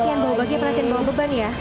latihan bawa baki apa latihan bawa beban ya